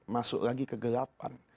masuk lagi ke gelapan